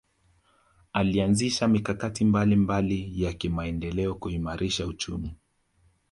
alianzisha mikakati mbalimbali ya kimaendeleo kuimarisha uchumi